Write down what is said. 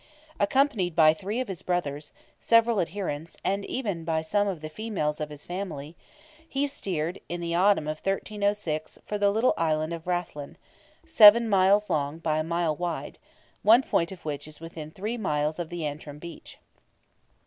Accompanied by three of his brothers, several adherents, and even by some of the females of his family, he steered, in the autumn of 1306, for the little island of Rathlin—seven miles long by a mile wide—one point of which is within three miles of the Antrim beach.